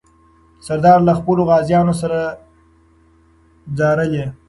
سردار له خپلو غازیانو سره ځارلې.